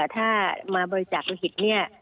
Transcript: ถ้ามาบริจาคโลหิตเนี่ย